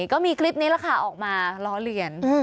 ก็มีคลิปนี้แหละค่ะออกมาล้อเลียน